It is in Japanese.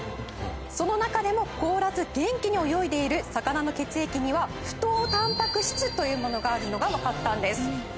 その中でも凍らず元気に泳いでいる魚の血液には不凍タンパク質というものがあるのがわかったんです。